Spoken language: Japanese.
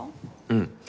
うん。